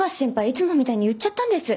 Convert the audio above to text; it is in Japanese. いつもみたいに言っちゃったんです。